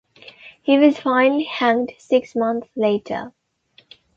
He was finally hanged six months later.